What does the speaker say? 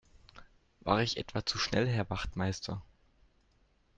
War ich etwa zu schnell Herr Wachtmeister?